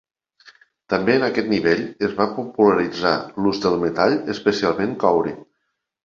També en aquest nivell es va popularitzar l'ús del metall, especialment coure.